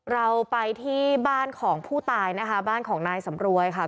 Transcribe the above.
เราไปที่บ้านของผู้ตายนะคะบ้านของนายสำรวยค่ะ